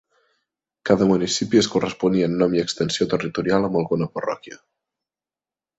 Cada municipi es corresponia en nom i extensió territorial amb alguna parròquia.